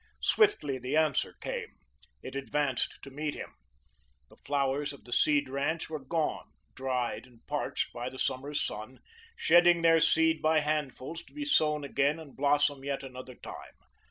Swiftly the answer came. It advanced to meet him. The flowers of the Seed ranch were gone, dried and parched by the summer's sun, shedding their seed by handfuls to be sown again and blossom yet another time.